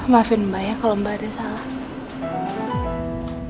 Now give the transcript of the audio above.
maafin mbak ya kalau mbak ada salah